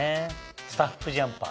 スタッフジャンパー。